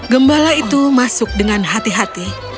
gembala itu masuk dengan hati hati